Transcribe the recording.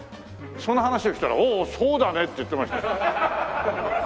その話をしたらおおそうだねって言ってました。